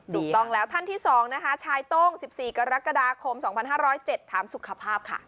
ถูกต้องแล้วท่านที่๒นะคะชายโต้ง๑๔กรกฎาคม๒๕๐๗ถามสุขภาพค่ะ